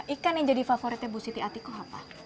ikan yang jadi favoritnya bu siti atiko apa